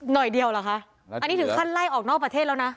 เดียวเหรอคะอันนี้ถึงขั้นไล่ออกนอกประเทศแล้วนะ